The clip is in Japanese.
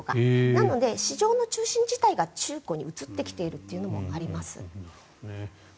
なので、市場の中心自体が中古に移ってきているというのもあります。